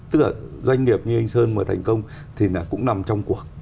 tức là doanh nghiệp như anh sơn mà thành công thì cũng nằm trong cuộc